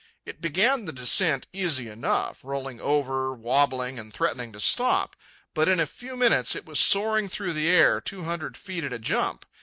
It began the descent easy enough, rolling over, wobbling, and threatening to stop; but in a few minutes it was soaring through the air two hundred feet at a jump.